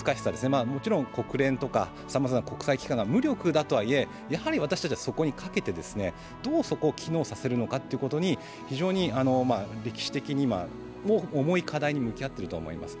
まさに国際とかさまざまな国連機関が無力だとはいえ、やはり私たちはそこにかけてどうそこを機能させるのかということに非常に歴史的に重い課題に向き合っていると思います。